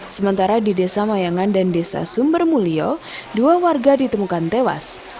sementara di desa mayangan dan desa sumbermulyo dua warga ditemukan tewas